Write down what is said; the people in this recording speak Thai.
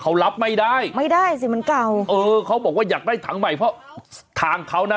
เขารับไม่ได้ไม่ได้สิมันเก่าเออเขาบอกว่าอยากได้ถังใหม่เพราะทางเขานะ